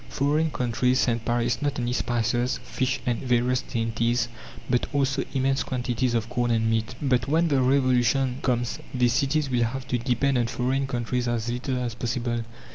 Foreign countries send Paris not only spices, fish, and various dainties, but also immense quantities of corn and meat. But when the Revolution comes these cities will have to depend on foreign countries as little as possible.